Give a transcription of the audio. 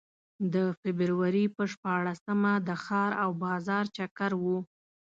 د فبروري په شپاړسمه د ښار او بازار چکر و.